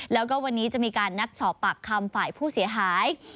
แล้วก็วันนี้จะมีการนัดสอบปากคำฝ่ายผู้เสียหาย